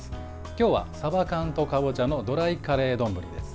今日は、さば缶とかぼちゃのドライカレー丼です。